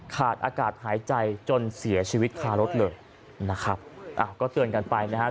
ขาดอากาศหายใจจนเสียชีวิตคารถเลยนะครับอ่ะก็เตือนกันไปนะฮะ